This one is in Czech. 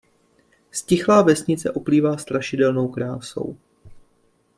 Ztichlá vesnice oplývá strašidelnou krásou.